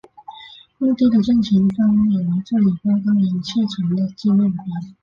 墓地的正前方有一座以花岗岩砌成的纪念碑。